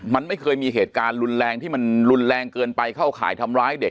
มันไม่เคยมีเหตุการณ์รุนแรงที่มันรุนแรงเกินไปเข้าข่ายทำร้ายเด็ก